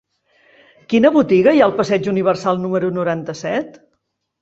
Quina botiga hi ha al passeig Universal número noranta-set?